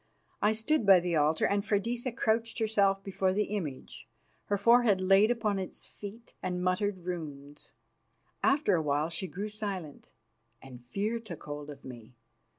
I stood by the altar and Freydisa crouched herself before the image, her forehead laid upon its feet, and muttered runes. After a while she grew silent, and fear took hold of me.